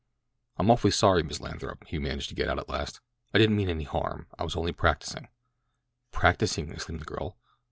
"I'm awfully sorry, Miss Lathrop," he managed to get out at last. "I didn't mean any harm—I was only practising." "Practising?" exclaimed the girl.